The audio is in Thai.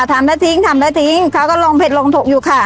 ทำแล้วทิ้งทำแล้วทิ้งเขาก็ลองเผ็ดลองถูกอยู่ค่ะ